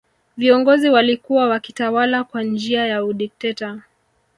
viongozi walikuwa wakitawala kwa njia ya udikteta